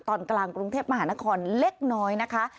ตอนกลางกรุงเทพมหานครเล็กน้อยนะคะ